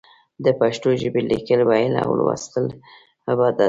د پښتو ژبې ليکل، ويل او ولوستل عبادت دی.